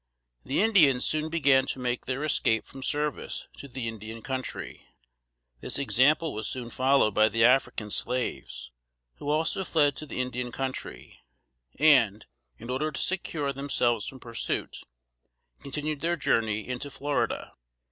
The Indians soon began to make their escape from service to the Indian country. This example was soon followed by the African slaves, who also fled to the Indian country, and, in order to secure themselves from pursuit, continued their journey into Florida.